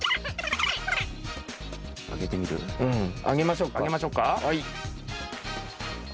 あげましょうか。